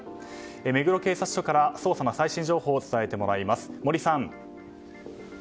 目黒警察署から捜査の最新情報を伝えてもらいます、森さん。